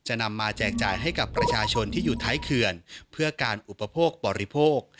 นำมาแจกจ่ายให้กับประชาชนที่อยู่ท้ายเขื่อนเพื่อการอุปโภคบริโภค